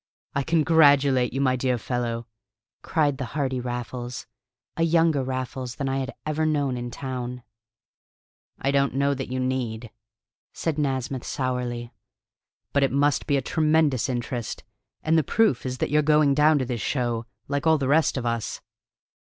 "I congratulate you, my dear fellow!" cried the hearty Raffles a younger Raffles than I had ever known in town. "I don't know that you need," said Nasmyth sourly. "But it must be a tremendous interest. And the proof is that you're going down to this show, like all the rest of us."